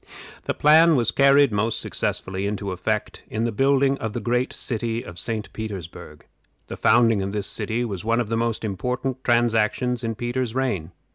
This plan was carried most successfully into effect in the building of the great city of St. Petersburg. The founding of this city was one of the most important transactions in Peter's reign.